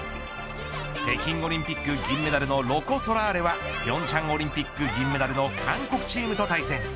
北京オリンピック銀メダルのロコ・ソラーレは平昌オリンピック銀メダルの韓国チームと対戦。